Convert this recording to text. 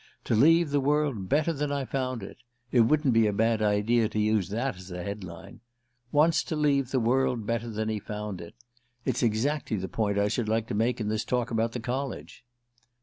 To leave the world better than I found it. It wouldn't be a bad idea to use that as a head line. 'Wants to leave the world better than he found it.' It's exactly the point I should like to make in this talk about the College."